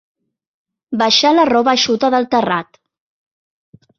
Baixar la roba eixuta del terrat.